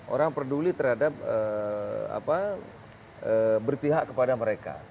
orang peduli terhadap berpihak kepada mereka